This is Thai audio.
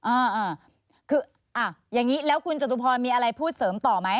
อ่าอ่าคืออ่ะอย่างนี้แล้วคุณจตุพรมีอะไรพูดเสริมต่อไหม